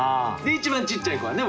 一番ちっちゃい子はね